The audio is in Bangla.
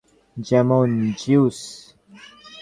যেমন, জিউস।